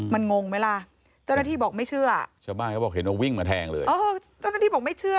มันงงไหมล่ะเจ้าหน้าที่บอกไม่เชื่อ